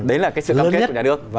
đấy là cái sự cảm kích của nhà nước